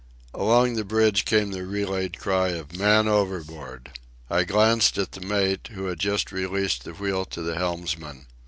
Along the bridge came the relayed cry of "Man overboard!" I glanced at the mate, who had just released the wheel to the helmsmen.